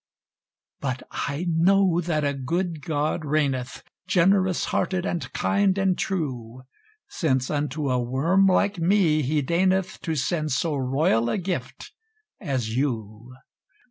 But I know that a good God reigneth, Generous hearted and kind and true; Since unto a worm like me he deigneth To send so royal a gift as you.